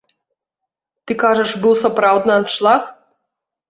Ты кажаш, быў сапраўдны аншлаг?